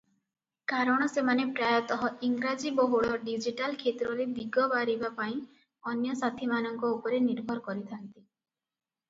କାରଣ ସେମାନେ ପ୍ରାୟତଃ ଇଂରାଜୀ-ବହୁଳ ଡିଜିଟାଲ କ୍ଷେତ୍ରରେ ଦିଗ ବାରିବା ପାଇଁ ଅନ୍ୟ ସାଥୀମାନଙ୍କ ଉପରେ ନିର୍ଭର କରିଥାନ୍ତି ।